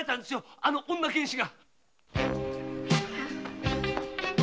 あの女剣士が。